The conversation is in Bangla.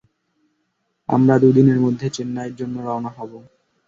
আমরা দুদিনের মধ্যে চেন্নাইয়ের জন্য রওনা হব।